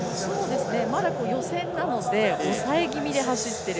まだ予選なので抑え気味で走っている。